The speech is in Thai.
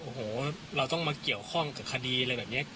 โอ้โหเราต้องมาเกี่ยวข้องกับคดีอะไรแบบนี้